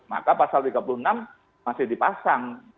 maka pasal tiga puluh enam masih dipasang